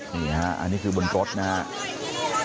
มีครับอันนี้คือบนกรดนะครับ